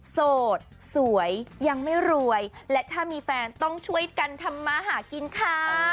โสดสวยยังไม่รวยและถ้ามีแฟนต้องช่วยกันทำมาหากินค่ะ